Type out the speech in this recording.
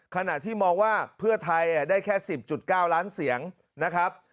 ขณะที่มองว่าเพื่อไทยได้แค่๑๐๙ล้านเสียงนะครับ